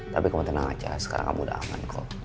tapi kamu tenang aja sekarang kamu udah aman kok